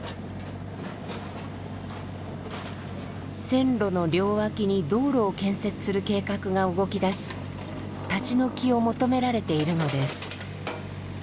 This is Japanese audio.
線路の両脇に道路を建設する計画が動きだし立ち退きを求められているのです。